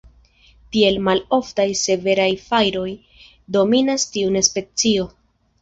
Tiel, maloftaj severaj fajroj dominas tiun specio.